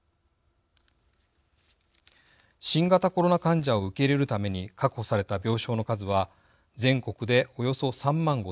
新型コロナ患者を受け入れるために確保された病床の数は全国でおよそ３万５，０００床。